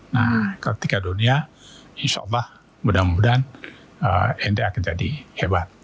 nah ketika dunia insya allah mudah mudahan nt akan jadi hebat